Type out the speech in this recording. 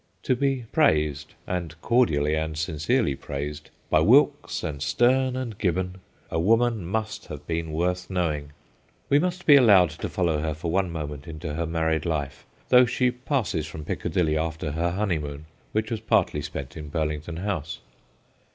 To be praised and cordially and sincerely praised by Wilkes and Sterne and Gibbon, a woman must have been worth knowing. A HAPPY MARRIAGE 121 We must be allowed to follow her for one moment into her married life, though she passes from Piccadilly after her honeymoon, which was partly spent in Burlington House.